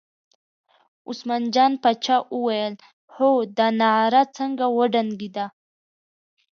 عثمان جان پاچا وویل هو دا نغاره څنګه وډنګېده.